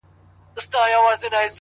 او خپل سر يې د لينگو پر آمسا کښېښود _